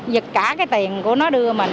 giật cả cái tiền của nó đưa mình